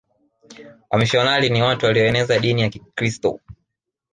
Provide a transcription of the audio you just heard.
Wamisionari ni watu walioeneza dini ya kikiristo